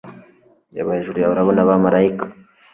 reba hejuru yawe urabona abamarayika